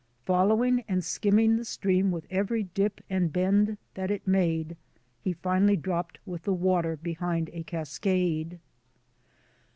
Following and skimming the stream with every dip and bend that it made, he finally dropped with the water behind a cascade.